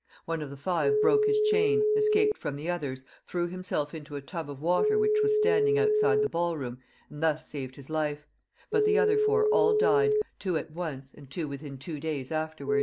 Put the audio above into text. One of the five broke his chain, escaped from the others, threw himself into a tub of water which was standing outside the ball room, and thus saved his life ; but the other four all died, two at once and two within two days after.